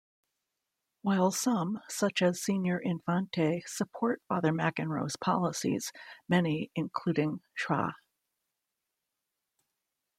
While some, such as Senior Infante, support Father McEnroe's policies, many, including Sra.